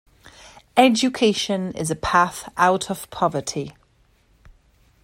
Education is a path out of poverty.